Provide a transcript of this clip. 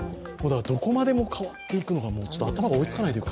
どこまでも変わっていくのかちょっと頭が追いつかないというか。